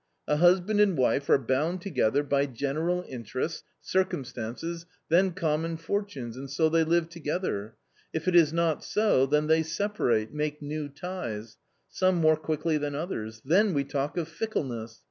A husband and wife are bound together by general interests, circumstances, then common fortunes, and so they live together; if it is not so, then they separate, make new ties — some more quickly than others ; then we talk of fickleness